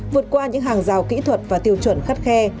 vượt qua những hàng rào kỹ thuật và tiêu chuẩn khắt khe